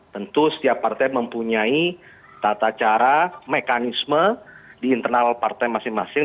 tentu setiap partai mempunyai tata cara mekanisme di internal partai masing masing